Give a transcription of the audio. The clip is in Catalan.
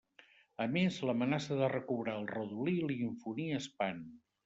A més, l'amenaça de recobrar el redolí li infonia espant.